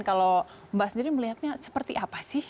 kalau mbak sendiri melihatnya seperti apa sih